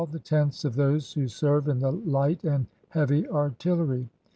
the tents of those who serA e in the Hght and hea\y artiller}